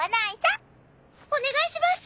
お願いします